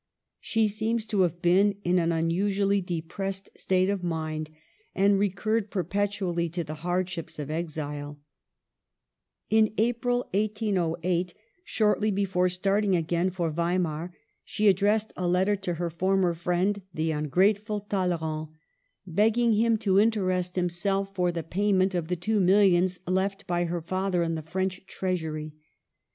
She seems to have been in an unusually depressed state of mind, and recurred perpetually to the hardships of exile. In April, 1808, shortly before starting again for Weimar, she addressed a letter to her former Digitized by VjOOQIC 150 MADAME DE STA&L friend, the ungrateful Talleyrand, begging him to interest himself for the payment of the two mill ions left by her father in the French Treasury.